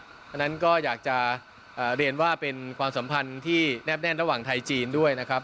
เพราะฉะนั้นก็อยากจะเรียนว่าเป็นความสัมพันธ์ที่แนบแน่นระหว่างไทยจีนด้วยนะครับ